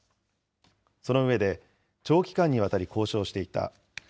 その上で、長期間にわたり交渉していた。